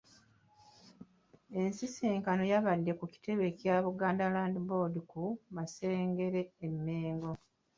Ensisinkano yabadde ku kitebe kya Buganda Land Board ku Masengere e Mengo.